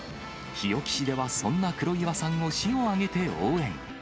日置市ではそんな黒岩さんを市を挙げて応援。